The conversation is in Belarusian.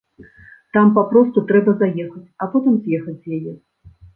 Там папросту трэба заехаць, а потым з'ехаць з яе.